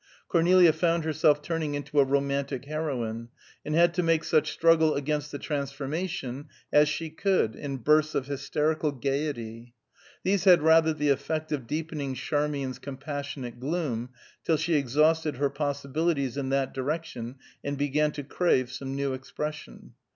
Cornelia found herself turning into a romantic heroine, and had to make such struggle against the transformation as she could in bursts of hysterical gayety. These had rather the effect of deepening Charmian's compassionate gloom, till she exhausted her possibilities in that direction and began to crave some new expression.